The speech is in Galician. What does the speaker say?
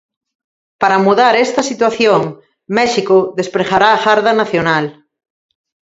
Para mudar esta situación, México despregará a Garda Nacional.